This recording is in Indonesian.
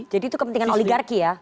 jadi itu kepentingan oligarki ya